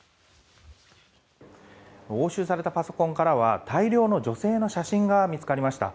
押収されたパソコンからは大量の女性の写真が見つかりました。